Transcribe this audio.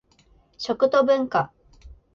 食と文化